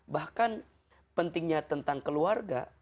bahkan pentingnya tentang keluarga